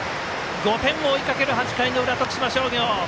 ５点を追いかける８回の裏徳島商業！